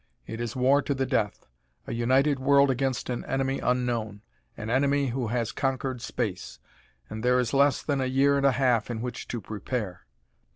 It is war to the death; a united world against an enemy unknown an enemy who has conquered space. And there is less than a year and a half in which to prepare!